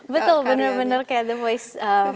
betul benar benar kayak the voice